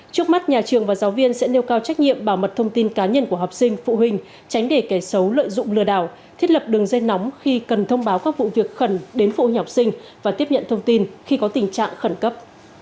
trước mắt nhà trường và giáo viên sẽ nêu cao trách nhiệm bảo mật thông tin cá nhân của học sinh phụ huynh tránh để kẻ xấu lợi dụng lừa đảo thiết lập đường dây nóng khi cần thông báo các vụ việc khẩn đến phụ huynh học sinh và tiếp nhận thông tin khi có tình trạng khẩn cấp